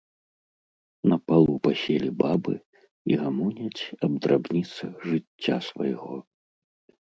На палу паселі бабы і гамоняць аб драбніцах жыцця свайго.